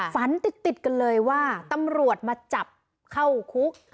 ฝันติดกันเลยว่าตำรวจมาจับเข้าคุก